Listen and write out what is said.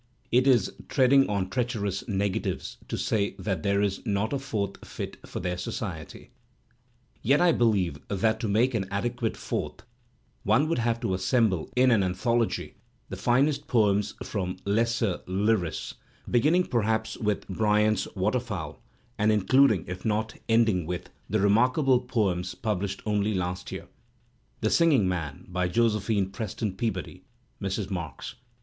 It is treading on treacherous negatives to say that there is not a fourth fit for their society; yet I believe that to make an adequate fourth one would have to assemble in an anthology the finest poems from lesser lyrists, beginning, perhaps, with Bryant's "Water Fowl" and including, if not ending with, the remarkable poem published only last year, "The Singing Man," by Josephine Preston Peabody (Mrs. Marks).